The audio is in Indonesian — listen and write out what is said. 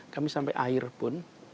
kami sampai air pun